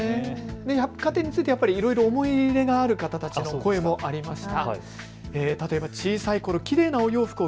百貨店についていろいろ思い出がある方たちの声もありました。